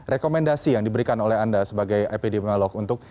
rekomendasi yang diberikan oleh anda sebagai epidemiolog untuk